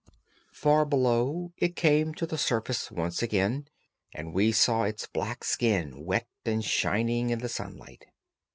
Far below it came to the surface once again, and we saw its black skin, wet and shining in the sunlight.